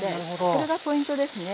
これがポイントですね。